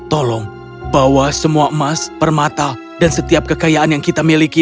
tolong bawa semua emas permata dan setiap kekayaan yang kita miliki